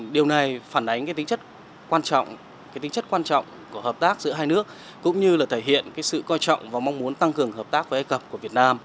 điều này phản ánh tính chất quan trọng của hợp tác giữa hai nước cũng như là thể hiện sự coi trọng và mong muốn tăng cường hợp tác với ai cập của việt nam